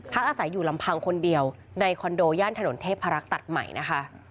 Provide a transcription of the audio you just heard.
อาศัยอยู่ลำพังคนเดียวในคอนโดย่านถนนเทพรักษ์ตัดใหม่นะคะ